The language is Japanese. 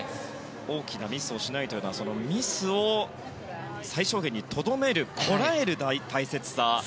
大きなミスをしないというのはミスを最小限にとどめるこらえる大切さ。